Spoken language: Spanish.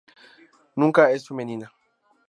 Nunca es femenina.